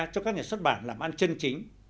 cho các nhà xuất bản làm ăn chân chính